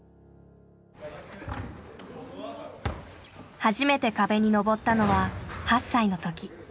初めて壁に登ったのは８歳の時。